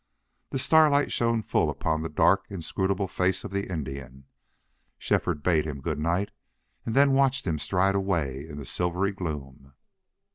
The starlight shone full upon the dark, inscrutable face of the Indian. Shefford bade him good night and then watched him stride away in the silver gloom.